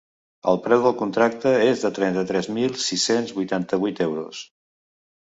El preu del contracte és de trenta-tres mil sis-cents vuitanta-vuit euros.